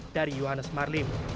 dari johannes marlim